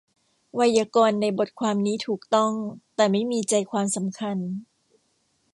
ไวยากรณ์ในบทความนี้ถูกต้อง แต่ไม่มีใจความสำคัญ